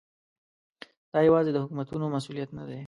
دا یوازې د حکومتونو مسؤلیت نه دی.